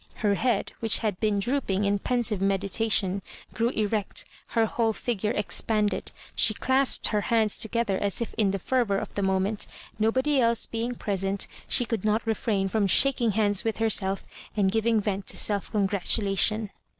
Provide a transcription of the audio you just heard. Her head, which had been droop ing in pensive meditation, grew erect — ^her whol6 figure expanded. She clasped her hands to gether, as if in the fervour of the moment, nobody else being present, she could not refrain from shaking hands with herself and giving vent to self congratulation.